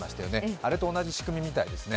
あれと同じ仕組みみたいですね。